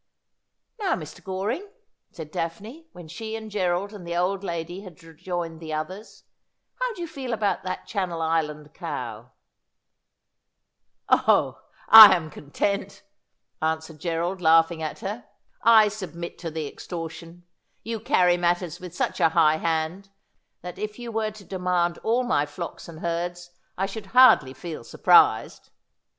' Now, Mr. Goring,' said Daphne, when she and Gerald and the old lady had rejoined the others, ' how do you feel about that Channel Island cow ?'' Oh, I am content,' answered Gerald, laughing at her. ' I submit to the extortion ; you carry matters with such a high hand that if you were to demand all my flocks and herds I should hardly feel surprised.'